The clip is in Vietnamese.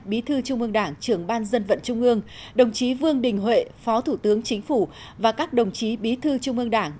bí thư trung ương đảng trưởng ban dân vận trung ương đồng chí vương đình huệ phó thủ tướng chính phủ và các đồng chí bí thư trung ương đảng